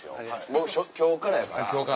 僕今日からやから。